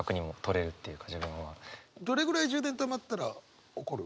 どれぐらい充電たまったら怒る？